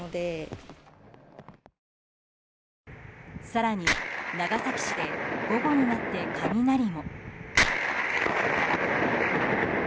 更に、長崎市で午後になって雷も。